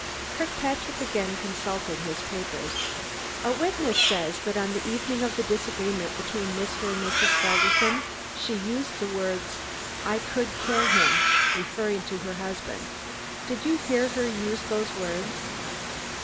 Kirkpatrick again consulted his papers. "A witness says that on the evening of the disagreement between Mr. and Mrs. Felderson, she used the words: 'I could kill him,' referring to her husband. Did you hear her use those words?"